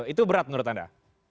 itu berat menurut anda